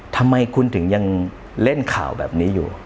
ทำไมคุณถึงยังเล่นข่าวแบบนี้อยู่